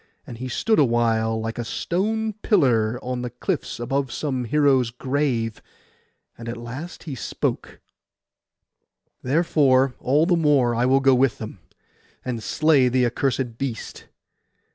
And he stood awhile like a tall stone pillar on the cliffs above some hero's grave; and at last he spoke— 'Therefore all the more I will go with them, and slay the accursed beast.